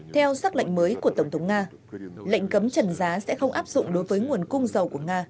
theo sắc lệnh mới của tổng thống nga lệnh cấm trần giá sẽ không áp dụng đối với nguồn cung dầu của nga